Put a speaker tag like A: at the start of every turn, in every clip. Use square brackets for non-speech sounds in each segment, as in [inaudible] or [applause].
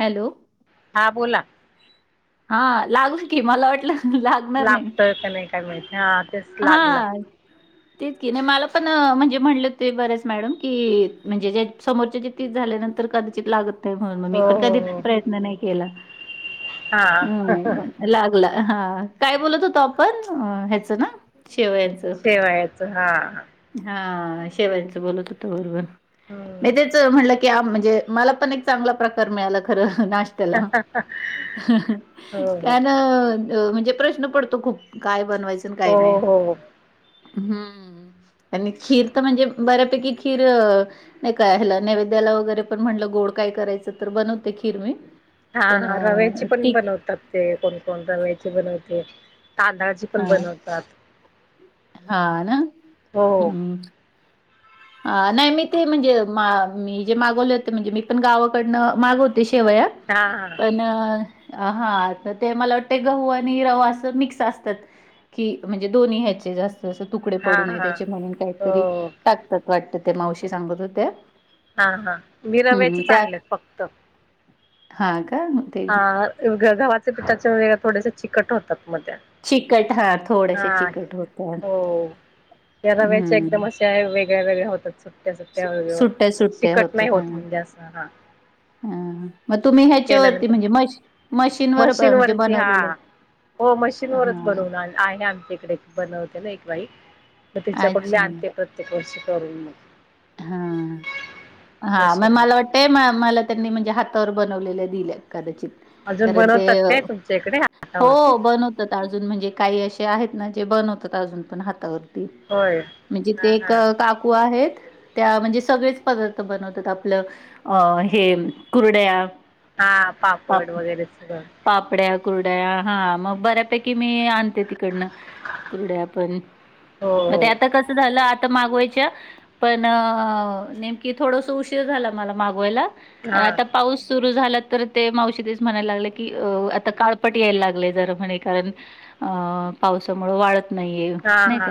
A: Hello,
B: हा बोला
A: हा लागू की मला वाटलं लागणार नाही
B: लागतोय का नाही काय माहिती हा तेच
A: हा
B: लागला
A: तेच की नाही मला पण म्हणजे म्हणलं ते बरेच मॅडम की म्हणजे ज समोरच्या जिती झाल्यानंतर तर कदाचित लागत नाही म्हणून मग मी
B: हो
A: पण
B: हो
A: कधी
B: हो
A: प्रयत्न नाही केला
B: हा
A: अम लागला हा काय बोलत होतो आपण ह्याच ना शेवयाचं
B: शेवायाच हा
A: हा शेवयाच बत हो
B: हम्म
A: बरोबरचट क्या म्हणजे मला पण एक चांगला प्रकार मिळाला खरं
B: ह ह ह
A: काय ना म्हणजे प्रश्न पडतो खूप काय बनवायच काही नाही
B: हो हो हो
A: हम् आणि खीर तर म्हणजे बऱ्यापैकी खीर नाही काय हलं नैवेद्याला वगैरे पण म्हणलं ग ड काय करायचं तर बनवते खीर मी
B: हा
A: पण
B: हा रव्याची
A: अ,
B: पण
A: ती
B: बनवतात ते कोण कोण रव्याची बनवते तांदळाची पण
A: हां,
B: बनवतात
A: हां ना.
B: हो
A: ह नाही मी ते म्हणजे मी जे मागवले होते म्हणजे मी पण गावाकडनं मागवत ति शेवया
B: हा
A: पण हा तर ते मला वाटतय गहू आणि रवा असं मिक्स असतात की म्हणजे दोन्ही ह्याचे जास्त ज तुकडे
B: हा
A: पडू
B: हा
A: नये
B: हा
A: त्याचे म्हणून काहीतरी
B: हो
A: टाकतात वाटतं ते मावशी सांगत हो त्या
B: हा हा मी रव्याचेच आणलेत फक्त
A: हा का ते
B: हा गव्हाचे पिठाचे वग थोडेसे चिकट होतात मत
A: चिकट हा थोडेसे
B: हा
A: चिकट होतात.
B: हो या रव्याचे एकदम
A: हम्म
B: असे आहे वेगळ्या वेगळ्या होतात व
A: सुट्ट्या सुट्ट्या
B: तिकट नाही
A: होतात हा
B: होत म्हणजे असं हा
A: हा मग तुम्ही ह्याच्यावरती
B: केल्यानंतर
A: म्हणजे म मशीनवर
B: मशीन
A: म्हणजे
B: वरती हा
A: बनवलेले
B: हो मशीन वरच
A: हा
B: बनवून आहे आमचे त बनवते ना एक बाई म तिच्याकडून ल
A: अच्छा
B: आणते प्रत्येक वर्षी करून मग
A: हा हा मग
B: मशीनवर
A: मला वाटतंय म मला त्यांनी म्हणजे हातावर ब वलेल दील्यात कदाचित
B: अजून
A: कारण ते
B: बनवतात काय तुमच्या इकडे
A: हो
B: हातावरती
A: बनवत्यात अजून म्हणजे काही आशे आहेत ना े बनवत अजून पण हातावरती
B: होय
A: म्हणजे
B: हा
A: ते एक
B: हा
A: काकू आहेत त्या म्हणजे सगळेच पदार्थ बनवतात आपलं अ हे कुरड्या
B: हा पापड वगैरे स
A: ड हा मग बऱ्यापैकी मी तिकड कड पण
B: हो
A: मग
B: हो
A: आता कस झालं आता मागवायच्या पण नेमकी थोडस उशीर झाला मला मागवायला
B: हा
A: आता पाऊस सुरू झाला ते मावशीच म्हणायला लाग की आता काळपट यायला लागले ज म्हणे कारण पावसामुळे वाळ
B: हा हा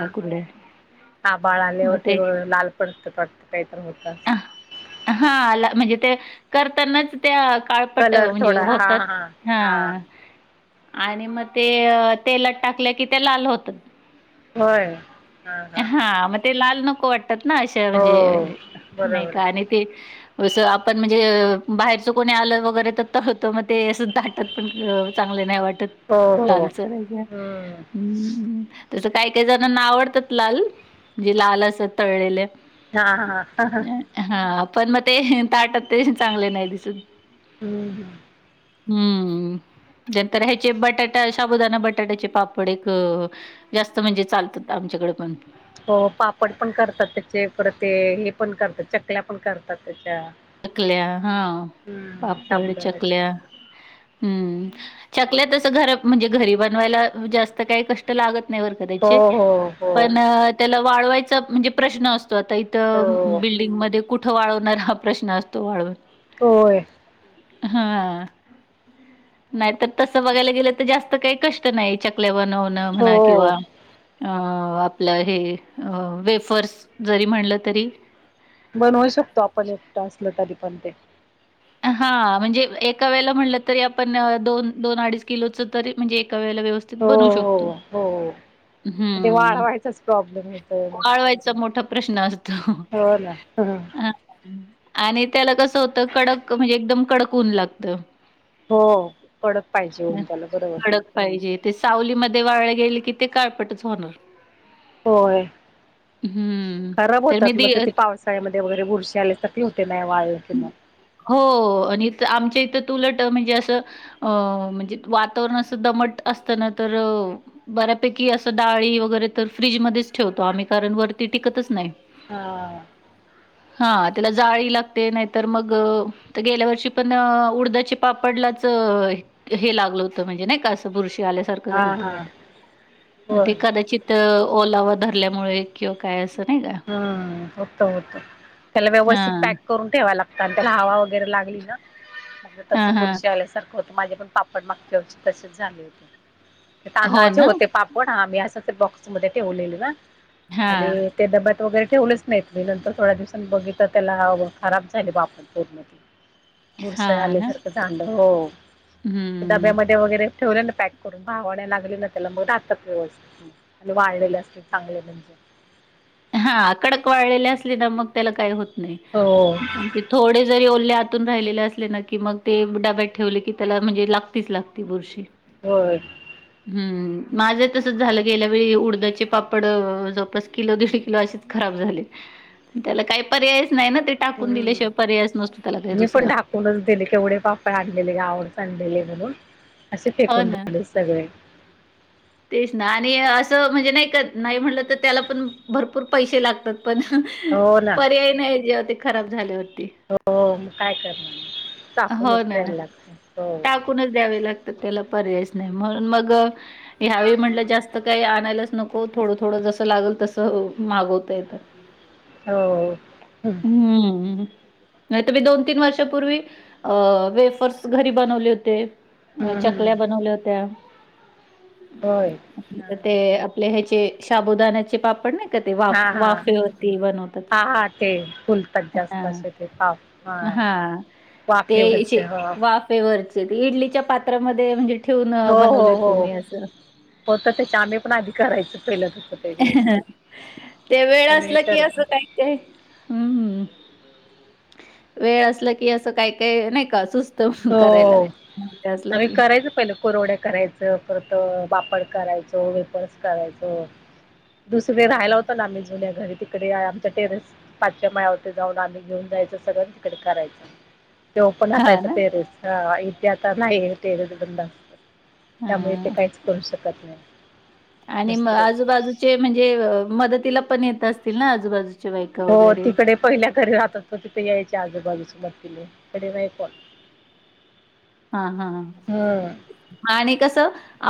B: ह बाळाले
A: मग
B: होते
A: ते
B: लालपट वाटत काही तर होत अस.
A: अ, हा आला म्हणजे ते करतानाच त्या काळपट
B: कलर
A: म्हणजे
B: थोडा हा
A: होतात
B: हा
A: हा. आणि मग ते तेलात टाकले कि ते लाल होत
B: होय हां हां
A: हा म ते लाल नक लाल नको वाटतात ना अशा
B: हो
A: म्हणजे नाही
B: बरोबर
A: का
B: आहे
A: आणि ते असं आपण म्हणजे बाहेरचं कोणी आलं वगैरे तर तळतो मग ते असं दाटत पण चांगलं नाही वाटत
B: हो हो
A: लालचरा हम् त्यास काही काही जणांना आवडतात लाल जे लाल असत तळलेले
B: हा हा ह ह
A: हा पण मग ते ताटत ते चांगले नाही दिसून.
B: हम्म हम्म
A: हम्म नंतर ह्याचे बटाटा शबुदाना बटाट्याचे पापड एक जास्त म्हणजे चालतात आमच्या कड पण
B: हो पापड पण करतात त्याचे पर ते हे पण करतात चकल्या पण करतात त्या
A: चकल्या हा
B: हम्म
A: पापड
B: साबुदाण्याच्या
A: चकल्या हम्म चकल्या तस घर म्हणजे घरी बनवायला जास्त काही कष्ट लागत नाही बर
B: हो
A: का
B: हो हो
A: पण त्याला वावाय म्हणजे प्रश्न अस स् आता इथं
B: हो
A: बिल्डिंग मध्ये कुठं वाळवणार हा प्रश्न असतो वाळवून
B: होय
A: हा नाहीतर तस बघायला गेलं तर जास्त काही कष्ट नाही च वनव न
B: हो
A: म्हणा किंवा अ आपलं हे वेफर्स जरी म्हणलं तरी
B: बनवू शकतो आपण एकटा असल तरी पण ते
A: हा म्हणजे एका वेळेला म्हणलं तरी आपण दोन दोन अडीच किलोच तरी म्हणजे वेळेला व्यवस्थित
B: हो
A: बनू शकतो
B: हो हो ते
A: हं.
B: वाळवायचा प्रॉब्लेम होत.
A: वाळवायचा मोठा प्रश्न अस
B: हो ना ह
A: आणि त्याला कसं होतं कडक म्हणजे एकदम कडक होऊन लागत
B: हो कडक पाहिजे होऊन त्याला बरोबर
A: कडक पाहिजे ते सावलीमध्ये देवावेला गेले कि ते काळपटच होणार
B: होय
A: हं.
B: खराब
A: तर मी
B: होतात मग
A: दि
B: त ते पावसाळ्यामध्ये वगैरे बुरशी आले स होते नाही वाळले की मग.
A: हो आणि आमच्या तुलट म्हणजे अस अ म्हणजे वातावरण अस दमट असत ना तर बऱ्यापैकी असं डाळी वगैरे तर फ्रीजमध्येच ठेवतो आम्ही कारण वरती टिकतच नाही
B: हा
A: हा त्याला जाळी लागते ते नाहीतर मग गेल्या वर्षी पण उडदाचे पापडलाच हे लाग म्हणजे नाही का बुर आल्यासार झाल
B: हा हा
A: मग
B: होय
A: ते कदाचित ओला व धरल्यामुळे किंवा काय अस
B: हम्म होतं होतं त्याला व्यवस्थित
A: हां.
B: पॅक करून ठेवा लागत आणि त्याला हवा वगैरे लागली ना तस
A: हां, हां.
B: बुरशी आल्यासारखं हो माझे पण पापड मागव तसेच झाले होते ते
A: हो
B: तांदळाचे
A: ना?
B: होते पापड हा मी अस बॉक्समध्ये ठेवलले ना
A: हा
B: आणि ते डब्यात वगैरे ठेवलेच नाहीत मी नंतर थोड्या दिवसांनी बघितल त्याला खराब झाले बाप [unintelligible] पूर्ण बुडसं
A: हां ना?
B: आल्यासारखं झालं हो
A: हं.
B: डब्यामध्ये वगैरे ठेवले ना पॅक करून भवाण्या लागल्या ना त्याला मग राहतात व्यवस्थित वाळलेल्या असतील चांगले म्हणजे
A: हा कडक वाळलेल्या असले ना मग त्याला काही होत नाही
B: हो
A: ते थोडे जरी ओले राहिलेले असले ना की मग ते डाब्यात ठेवले की त्याला म्हणजे लागतीच लागते बुरशी
B: हो
A: हम्म माझं तसच झालं गेल्या वेळी उडदाचे पापड जवळपास किलो दि लो खराब झाले त्याला काय पर्याय
B: ह
A: त्याला काही
B: मी पण
A: दुसरा.
B: ढाकूनच दिले केवढे पापड आणलेले गावाहूनच आणलेले ब असे
A: हो
B: फेकून
A: ना.
B: दिले सगळे
A: तेच ना आणि असं म्हणजे नाही का नाही म्हणलं तर त्याला पण भरपूर पैसे लागतात पण
B: हो ना
A: पर्याय नाही जेव्हा ते खराब झाले हो..
B: हो मग काय करणार
A: हो
B: चाकूनच
A: ना
B: द्यायला लागत हो
A: टाकूनच द्यावे लागतात त्याला पर्यायच नाही म्हणून मग घ्यावे म्हटलं जास्त काही आणायलाच नको थोडं थोडं जसं लागल तसं मागवत येत
B: हो
A: नाही तर मी दोन तीन वर्षापूर्वी अ वेफर्स घरी बनवले होते अ
B: हम्म हम्म
A: चकल्या बनवल्या होत्या
B: होय हा
A: ते आपले ह्याचे शाबुदाण्याचे पापड नाही वाफ
B: हा हा
A: वाफे
B: हा
A: वरती बनवतात
B: हा हा ते फुलतात जास्त
A: हां
B: असे ते पाप
A: हा तेे
B: वाफेवरचे
A: याचे
B: हा
A: वाफेवर इडलीच्या पात्रामध्ये म्हणजे ठेवून
B: हो हो
A: बनवले तु
B: हो
A: मी असं
B: होत त्याच्या आम्ही पण आधी करायचो
A: ते वेळ
B: आता नाही
A: असलं की
B: तर
A: असं काही काय हम्म वेळ असल की अस काही काही नाही का सुस्त करायला
B: हो
A: ते असलं
B: आम्ही
A: की
B: करायचो पहिले कूरड्या करायचं परत पापड करायचो वेपर्स करायचो दुसरे राहियला होत ना आम्ही जुन्या घरी तिकडे आमच्या टेरेस पाचव्या माळ्यावरती जाऊन आम्ही घेऊन जा सगळं तिकडे करायच ते पण
A: हा
B: असयचं
A: ना
B: हा इथे आता ना टेरेस बंद असत त्यामुळे ते
A: हा
B: काहीच करू शकत नाही
A: आणि म
B: दुसरीकडे
A: आजूबाजूचे म्हणजे मदतीला पण येत असतील ना आजूबाजू
B: हो तिकडे पहिल्या घरी राहत तिथ यायचं चार आजूबाजूचे [unintelligible] म कडे नाही फन [unintelligible]
A: हा हा आणि कस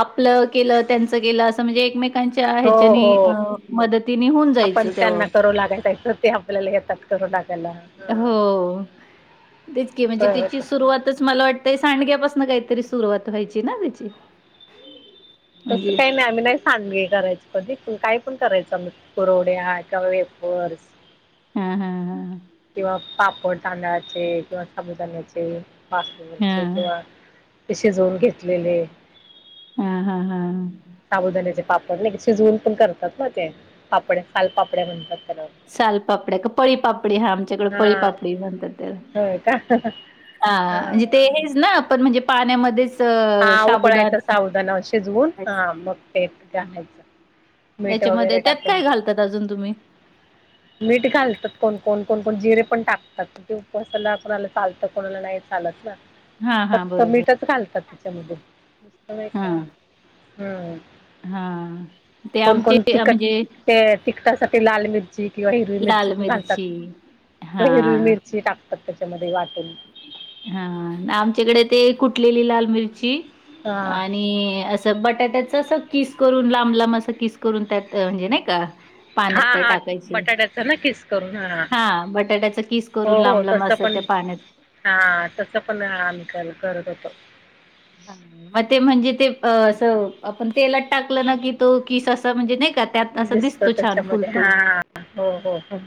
A: आपलं केलं त्यांच केलं अस म्हमजे एकमे ह्यांच्या
B: हो
A: याच्यानी
B: हो
A: मदतीने होऊन
B: आपण
A: जायचं तेव्हा
B: त्यांना करू लागायचं ते आपल्याला येतात करू लागायला हा
A: हो तेचकी म्हणजे
B: असं
A: त्याची
B: होतं
A: सुरुवातच मला वाटतंय सांडग्यापासनं काहीतरी सुरुवात व्हायची ना त्याची
B: तसं
A: म्हणजे
B: काही नाही आम्ही नाही सांडगे करायचो काय पण करायचो आम्ही पुरवड्या किंवा वेफर्स
A: हम हम हमम
B: किंवा पापड तांदळाचे किंवा साबुदाण्याचे वाफे
A: हा
B: वरचे किंवा शिजवून घेतलेले
A: हम् हम्म हम्म
B: साबुदाान्याचे पापड नाही शिजवून पण करतात ना ते पापड्या फालपापड्या म्हणतात त्याला
A: सालपापड्या का पळीपापडी हा आमच्याकडे
B: हा
A: पळीपापडी म्हणतात त्याला
B: होय का
A: हा म्हणजे ते हेच ना पण म्हणजे पाण्यामध्येच अ
B: हा
A: साबुदाणा
B: उकळायचं सावदाना शिजवून,
A: टाकायचं.
B: हा मग ते घालायचं मीठ
A: त्याच्यामध्ये
B: वगैरे
A: त्यात
B: टाकून
A: काय घालतात अजून तुम्ही?
B: मीठ घालतात कोणकोण, कोणकोण जिरे पण टाकतात, [unintelligible] कोणाला चालतं कोणाला नाही. [unintelligible]
A: हा
B: [inaudible]
A: हा
B: फक्त
A: बरोबर
B: मीठच घालतात त्याच्यामध्ये नुसत, नाहीे
A: हा
B: हम्म.
A: हा. ते
B: कोण
A: आमचे
B: कोण तखट,
A: म्हणजे
B: ते तिकटासाठी लाल मि किंवा हिरवी मिरची पण घालतात, हिरवी
A: हा
B: मिरची टाकतात त्याच्यामध्ये वाटून
A: हा, आमच्याकडे ते कुटलेली लाल मिरची
B: हा
A: आणि असं बटाट्या त्या अस किस करून लांब लांब असं किस करून त्यात म्हणजे नाही का पाण्यात
B: हा
A: त्या
B: हा
A: टाकायची,
B: बटाट्याचा ना किस करून
A: हा बटाट्याचा किस करून
B: हो हो
A: लांब लांब
B: तसं
A: अस
B: पण
A: त्या पाण्यात
B: हा तस पण आम्ही करत होतो.
A: हां, मग ते म्हणजे ते अ, असं आपण तेलात टाकलं ना, की तो किस असा म्हणजे नाही का, त्यात अस
B: दिसत
A: दिसतो छान
B: त्याच्यामध्ये
A: फुलतो.
B: हा हो हो हो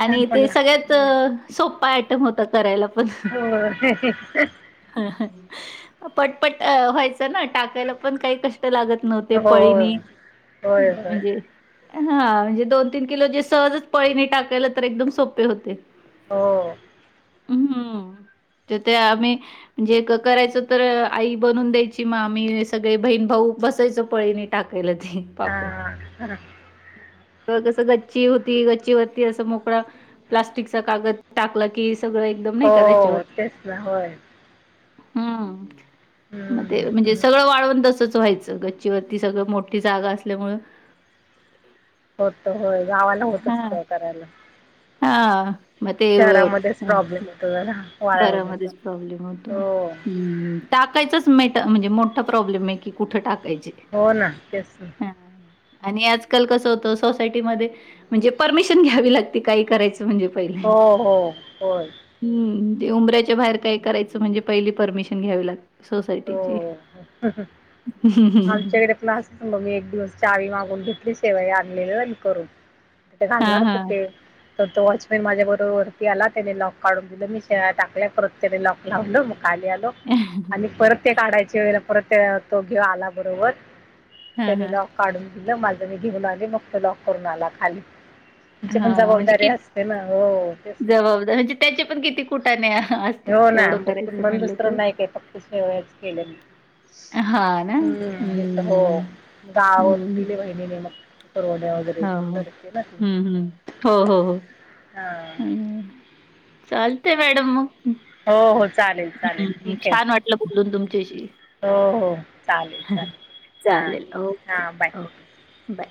B: छान पण
A: ते सगळ्यात
B: लागतं
A: सोपा आयटम होता करायला पण,
B: होय
A: पटपट व्हायच ना टाकायला पण काही कष्ट लागत नव्हते
B: होय
A: पळीने
B: होय होय
A: म्हणजे हा म्हणजे, दोन तीन किलो जे सहजच पळीने टाकायलं तर एकदम सोपे होते.
B: हो.
A: ह, हम्म! तर ते आम्ही म्हणजे एक करायच तर, आई बनून द्यायची मामी सगळे बहीण भाऊ बसायचं पळीने टाक [unintelligible] पापड.
B: हां
A: कसं गच्ची होती, गच्ची वरती असं मोकळां प्लास्टिकचा कागद टाकला की सगळं एकदम नाही का त्याच्यावर
B: हो तेच ना होय
A: हम्म! मग ते म्हणजे सगळं वाढवून तसच व्हायचं, गच्चीवरती सगळं मोठी जागा असल्यामुळ
B: होत होय, गावाला होत सगळ करायला.
A: हा, म ते
B: शहरामध्येच प्रॉब्लेम होतो जरा वाळवण्याचा
A: शहरामध्येच प्रॉब्लेम
B: हो
A: होतो् टाकायच म्हणजे मोठा प्रॉब्म हाय की कुठ टाक
B: हो ना, [unintelligible]
A: आणि आजकाल कसं होतं, सोसायटीमध्ये म्हणजे परमिशन घ्यावी लागती काही करायचं म्हणजे पहि
B: हो हो होय
A: ते उंबऱ्याच्या बाहेर काय करायचं म्हणजे, पहिली परमिशन घ्यावी लाग सोसायटीची
B: हो आमच्याकडे पण असच मग मी एक दिवस चावी मागून घेत आपली सेवा आणलेली म करून, ते
A: हां
B: घालणार
A: हां.
B: कुठे? तर तो वॉचमॅन माझ्या बरोबर वरती आला त्याने लॉक काढून दिलं मी टाकल्या करत त्याने लॉक लावलं मग खाली आलो, आणि परत ते काढायचे वेळे परत ते तो घेऊ आला बरोबर.
A: हां
B: त्यानी
A: हां.
B: लॉक काढून दिलं, माझ मी घेऊन आले, मग त लॉक करून आला खाली. आमची पण
A: हां म्हणजे
B: जबाबदारी
A: किती
B: असते ना हो, तेच ना
A: जबाबदार म्हणजे त्याचे पण किती कुटाणे असतात
B: हो, ना
A: तेवढं
B: मग
A: करायचं
B: मण
A: म्हणलं
B: दुसरं
A: तर.
B: नाही काय केलं फक्त शेवयाचा केल्या मी.
A: हां ना.
B: हम्म! हे तर हो
A: हम्म.
B: गावावरून
A: हम्म.
B: दिली बहिणीने मग परवड्या वगैरे
A: हो.
B: करते ना.
A: हं, हं. हो, हो,
B: हा.
A: चालतय मॅडम म
B: हो हो चालेल चालेल
A: हम्,
B: ठीक आहे
A: छान वाटलं बोलून तुमच्याशी
B: हो हो, चालेल, चालेल. हां
A: चालेल,
B: ठीक
A: ओके
B: हां बाय
A: बाय.